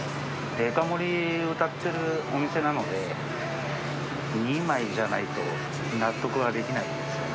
デカ盛りうたってるお店なので、２枚じゃないと納得ができないんですよね。